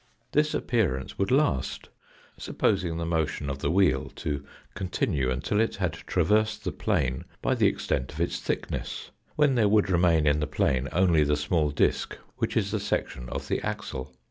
This appearance would last, supposing the motion of the wheel to continue until it had traversed the plane by the extent of its thickness, when there would remain in the plane only the small disk which is the section of the axle.